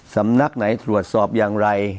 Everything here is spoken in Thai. สำนักไหนตรวจสอบอย่างไร